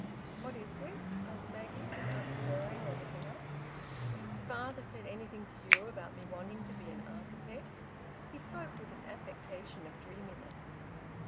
"What is it?" asked Maggie, without stirring or looking up. "Has father said anything to you about me wanting to be an architect?" He spoke with an affectation of dreaminess.